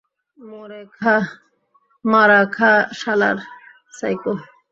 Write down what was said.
মারা খা, শালার সাইকো!